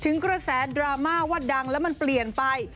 กระแสดราม่าว่าดังแล้วมันเปลี่ยนไป